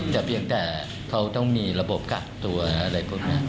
แต่เพียงแต่เขาต้องมีระบบกักตัวอะไรพวกนี้